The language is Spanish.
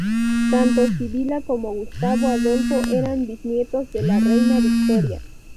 Tanto Sibila como Gustavo Adolfo eran bisnietos de la reina Victoria.